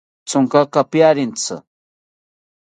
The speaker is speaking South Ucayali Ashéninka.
Thonkaka piarentzi